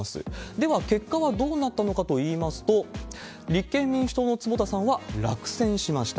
では結果はどうなったのかといいますと、立憲民主党の坪田さんは落選しました。